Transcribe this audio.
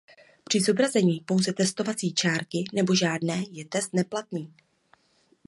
Při zobrazení pouze testovací čárky nebo žádné je test neplatný.